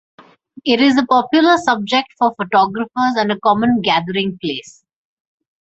It is a popular subject for photographers and a common gathering place.